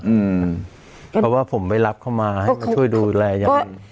เพราะว่าผมไปรับเขามาให้ช่วยดูแลยังไง